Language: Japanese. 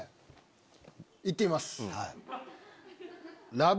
行ってみます。